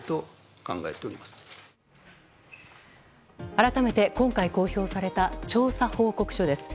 改めて今回公表された調査報告書です。